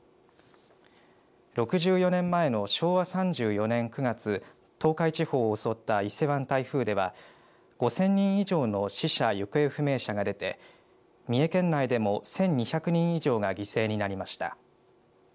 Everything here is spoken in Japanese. ６４年前の昭和３４年９月東海地方を襲った伊勢湾台風では５０００人以上の死者、行方不明者が出て三重県内でも１２００人以上が犠牲になりました。